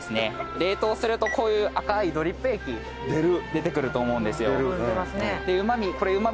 冷凍するとこういう赤いドリップ液出てくると思うんですよ。